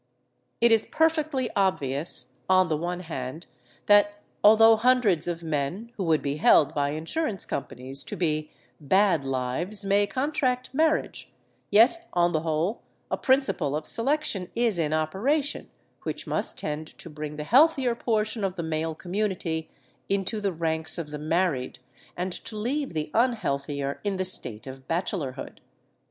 It is perfectly obvious, on the one hand, that although hundreds of men who would be held by insurance companies to be 'bad lives' may contract marriage, yet on the whole a principle of selection is in operation which must tend to bring the healthier portion of the male community into the ranks of the married, and to leave the unhealthier in the state of bachelorhood.